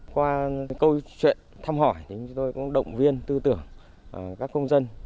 qua câu chuyện thăm hỏi thì chúng tôi cũng động viên tư tưởng các công dân